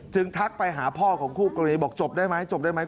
ทักไปหาพ่อของคู่กรณีบอกจบได้ไหมจบได้ไหม